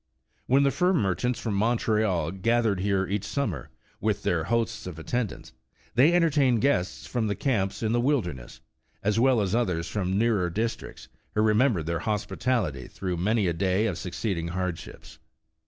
When the fur merchants from Montreal gathered here each summer, with their hosts of attendants, they entertained guests from the camps in the wilderness, as well as others from nearer districts, who remembered their hospitality through many a day of succeeding hardships.